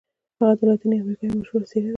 هغه د لاتیني امریکا یوه مشهوره څیره ده.